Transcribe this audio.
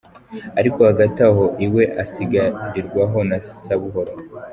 Ariko hagati aho iwe asigarirwaho na Sabuhoro.